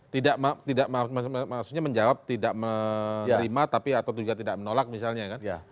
tidak maksudnya menjawab tidak menerima tapi atau juga tidak menolak misalnya kan